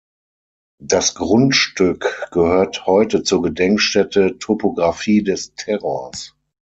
Das Grundstück gehört heute zur Gedenkstätte "Topographie des Terrors.